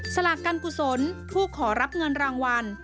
สลากกันกุศลผู้ขอรับเงินรางวัล